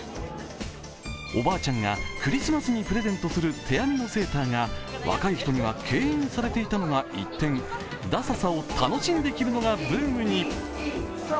おばあちゃんがクリスマスにプレゼントする手編みのセーターが若い人には敬遠されていたのが一転ダサさを楽しんで着るのがブームに。